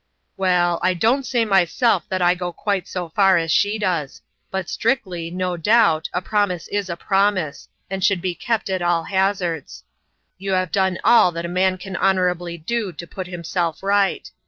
" Well, I don't say myself that I go quite so far as she does ; but strictly, no doubt, a prom ise is a promise, and should be kept at all haz ards. You have done all that a man can hon orably do to put himself right.